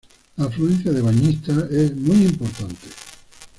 La afluencia de bañistas es muy importante.